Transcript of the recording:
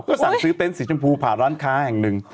ก็สั่งซื้อเต็นต์สีชมพูผ่านร้านค้าแห่งหนึ่ง